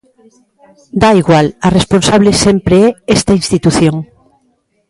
Dá igual, a responsable sempre é esta institución.